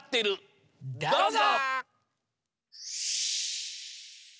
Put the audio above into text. どうぞ！